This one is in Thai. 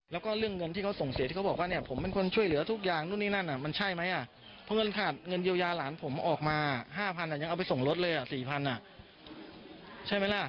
แล้วก็เรื่องเงินที่เขาส่งเสียที่เขาบอกว่าเนี่ยผมเป็นคนช่วยเหลือทุกอย่างนู่นนี่นั่นมันใช่ไหมเพราะเงินขาดเงินเยียวยาหลานผมออกมา๕๐๐ยังเอาไปส่งรถเลย๔๐๐บาทใช่ไหมล่ะ